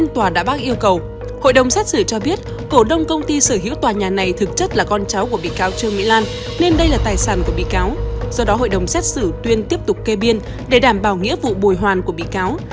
do đó hội đồng xét xử tuyên tiếp tục kê biên để đảm bảo nghĩa vụ bồi hoàn của bị cáo